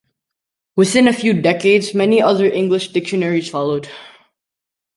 Within a few decades, many other English dictionaries followed.